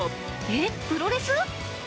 えっ、プロレス？